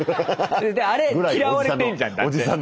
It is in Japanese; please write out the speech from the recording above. あれ嫌われてんじゃんだって。